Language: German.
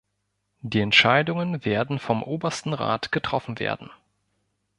Die Entscheidungen werden vom Obersten Rat getroffen werden.